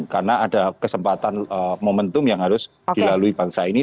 karena ada kesempatan momentum yang harus dilalui bangsa ini